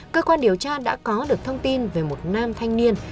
cơ quan điều tra đã có được thông tin về một nam thanh niên